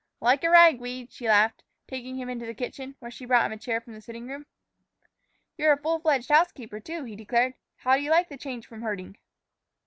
"Like a ragweed," she laughed, taking him into the kitchen, where she brought him a chair from the sitting room. "You're a full fledged housekeeper, too," he declared. "How do you like the change from herding?"